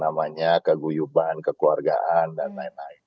namanya keguyuban kekeluargaan dan lain lain